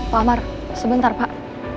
pak amar sebentar pak